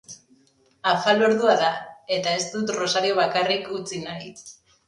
Afalordua da, eta ez dut Rosario bakarrik utzi nahi.